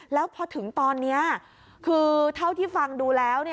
แล้วพอถึงตอนนี้คือเท่าที่ฟังดูแล้ว